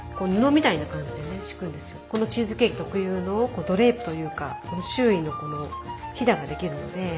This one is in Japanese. このチーズケーキ特有のドレープというか周囲のこのヒダができるんで。